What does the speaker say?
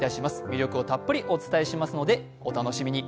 魅力をたっぷりお伝えしますので、お楽しみに！